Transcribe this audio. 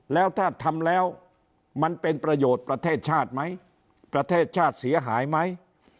แล้วถ้าทำแล้วมันเป็นประโยชน์ประเทศชาติไหมประเทศชาติเสียหายไหม